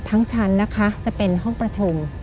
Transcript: ทั้งชั้นนะคะจะเป็นห้องประชุม